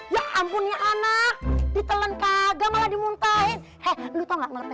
ya ampun ya anak ditelan kagak malah dimuntahin